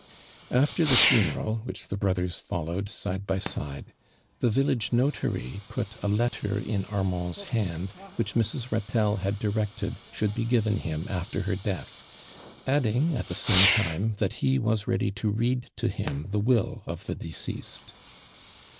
After the funeral, which the brothers followed side by side, tho village notary put aletter in Annand's hand which Mrs. Itatelle had ilirected should be given him after her death, adding, at the same time, that he was ready to rcful to him the will of the decea.sod.